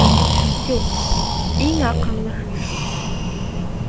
Юҡ, иң аҡыллыһына.